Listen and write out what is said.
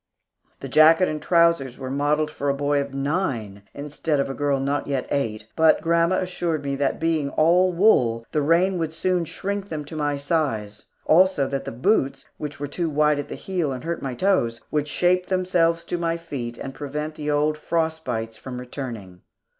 The jacket and trousers were modelled for a boy of nine, instead of a girl not yet eight, but grandma assured me that being all wool, the rain would soon shrink them to my size, also that the boots, which were too wide in the heel and hurt my toes, would shape themselves to my feet and prevent the old frost bites from returning.